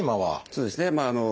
そうですね。